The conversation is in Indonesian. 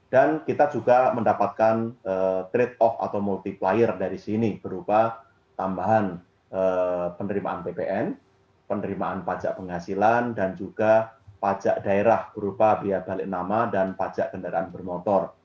dan kita juga mendapatkan trade off atau multiplier dari sini berupa tambahan penerimaan ppn penerimaan pajak penghasilan dan juga pajak daerah berupa biaya balik nama dan pajak kendaraan bermotor